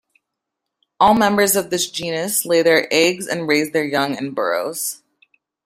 All members of this genus lay their eggs and raise their young in burrows.